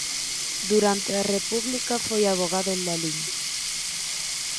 Durante a República foi avogado en Lalín.